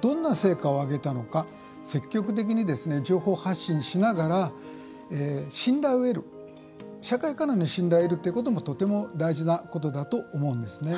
どんな成果を上げたのか積極的に情報発信しながら社会からの信頼を得ることもとても大事なことだと思うんですね。